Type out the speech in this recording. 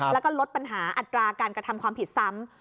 แล้วก็ลดปัญหาอัตราการกระทำความผิดซ้ำ